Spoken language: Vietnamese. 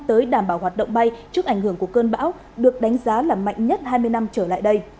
trước ảnh hưởng của cơn bão được đánh giá là mạnh nhất hai mươi năm trở lại đây